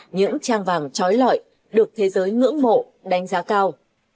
những trang vàng trói lọi được thế giới ngưỡng mộ đánh giá cao